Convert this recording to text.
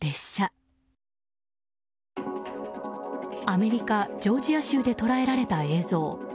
アメリカ・ジョージア州で捉えられた映像。